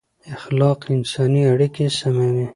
اخلاق انساني اړیکې سموي